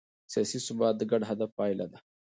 سیاسي ثبات د ګډ هدف پایله ده